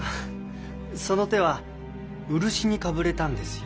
その手は漆にかぶれたんですよ。